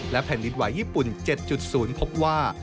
แผ่นดินไหวญี่ปุ่น๗๐พบว่า